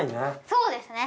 そうですね。